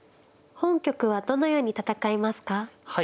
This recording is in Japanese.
本局はどのように戦いますか。